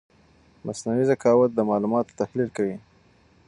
مصنوعي ذکاوت د معلوماتو تحلیل کوي.